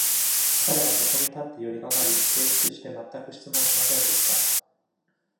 彼はそこに立って寄りかかり、提出して全く質問しませんでした。